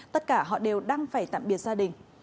tất cả họ đều đang phải tạm biệt gia đình